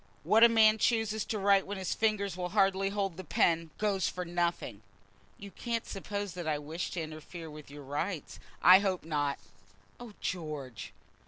What a man chooses to write when his fingers will hardly hold the pen, goes for nothing." "You can't suppose that I wish to interfere with your rights?" "I hope not." "Oh, George!"